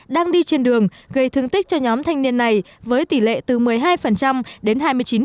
đang đi trên đường gây thương tích cho nhóm thanh niên này với tỷ lệ từ một mươi hai đến hai mươi chín